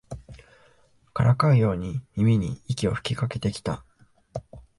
からかうように耳に息を吹きかけてきた